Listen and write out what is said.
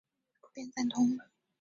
许多规条有与会代表的普遍赞同。